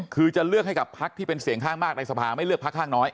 คือจะเลือกให้กับพักที่เป็นเสียงข้างมากในสภาไม่เลือกพักข้างน้อย